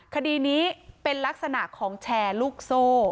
คดีนี้เป็นลักษณะของแชร์ลูกโซ่